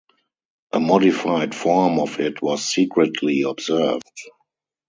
A modified form of it was secretly observed.